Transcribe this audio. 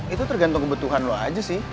itu tergantung kebutuhan lo aja sih